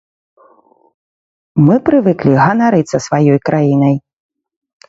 Мы прывыклі ганарыцца сваёй краінай.